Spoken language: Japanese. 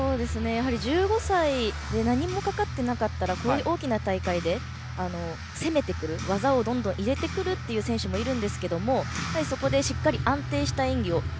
１５歳でなにもかかっていなかったら大きな大会で攻めてくる技をどんどん入れてくるという選手もいるんですけどそこで、しっかり安定した演技を。